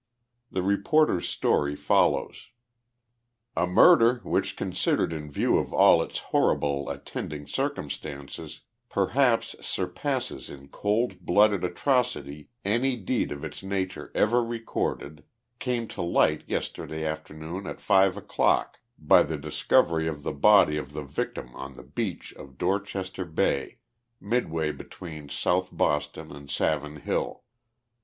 The reporter's story follows :" A murder, which, considered in view of all its horrible at tending circumstances, perhaps, surpasses in cold blooded atro city any deed of its nature ever recorded, came to light, vester day afternoon, at 5 o'clock, by the discovery of the body of the victim on the beach of Dorchester Bay, midway between South Boston and Savin Hill.